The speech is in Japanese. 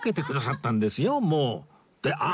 もうってああ！